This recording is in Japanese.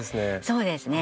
そうですね。